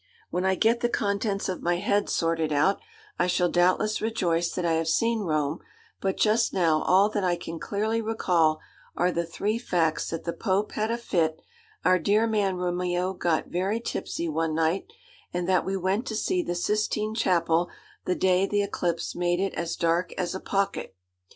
'When I get the contents of my head sorted out, I shall doubtless rejoice that I have seen Rome; but just now all that I can clearly recall are the three facts that the Pope had a fit, our dear man Romeo got very tipsy one night, and that we went to see the Sistine Chapel the day the eclipse made it as dark as a pocket.